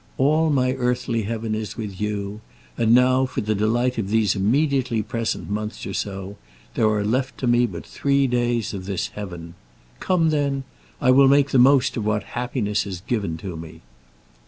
All my earthly heaven is with you; and now, for the delight of these immediately present months or so, there are left to me but three days of this heaven! Come, then; I will make the most of what happiness is given to me.